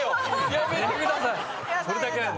やめてください。